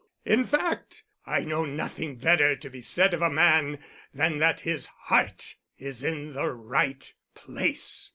In fact I know nothing better to be said of a man than that his heart is in the right place.